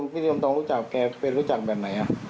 พี่ธมตองรู้จักแกเป็นรู้จักแบบไหน